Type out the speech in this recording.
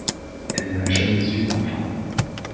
Elle n'a jamais eu d'enfant.